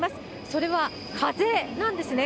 それは風なんですね。